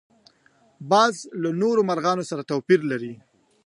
باز له نورو مرغانو سره توپیر لري